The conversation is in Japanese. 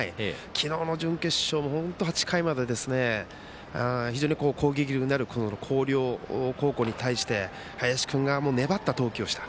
昨日の準決勝も８回まで非常に攻撃力のある広陵高校に対して林君が、粘った投球をした。